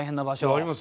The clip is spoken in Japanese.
あります。